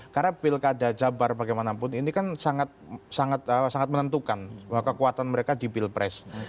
karena pilkada jabar bagaimanapun ini kan sangat menentukan bahwa kekuatan mereka di pilpres